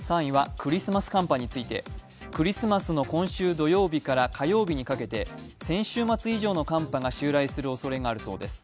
クリスマスの今週土曜日から火曜日にかけて先週末以上の寒波が襲来するおそれがあるそうです。